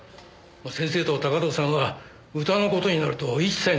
先生と高塔さんは歌の事になると一切の妥協がないというか。